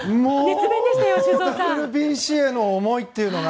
ＷＢＣへの思いというのが。